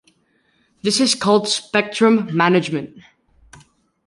This is called spectrum management.